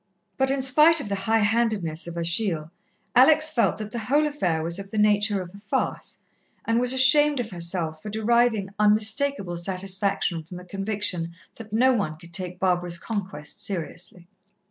But in spite of the high handedness of Achille, Alex felt that the whole affair was of the nature of a farce, and was ashamed of herself for deriving unmistakable satisfaction from the conviction that no one could take Barbara's conquest seriously.